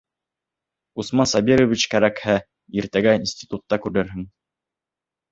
Усман Сабирович кәрәкһә, иртәгә институтта күрерһең.